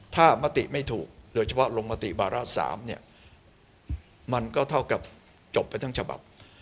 ถ้ามติไม่ถูกโดยเฉพาะลงมติวาระ๓เนี่ยมันก็เท่ากับจบไปทั้งฉบับ